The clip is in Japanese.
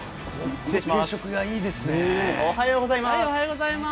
おはようございます。